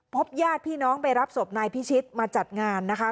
ญาติพี่น้องไปรับศพนายพิชิตมาจัดงานนะคะ